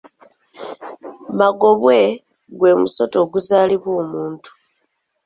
Magobwe gwe musota oguzaalibwa omuntu.